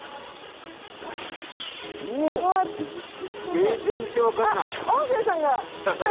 えっ全然わかんない。